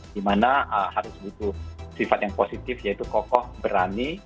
dimana harus butuh sifat yang positif yaitu kokoh berani